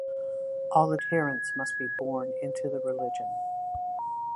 All adherents must be born into the religion.